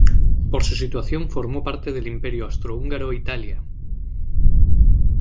Por su situación formó parte del Imperio austrohúngaro e Italia.